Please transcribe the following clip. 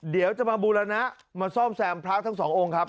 เดี๋ยวจะมาบูรณะมาซ่อมแซมพลักษณ์ทั้ง๒องค์ครับ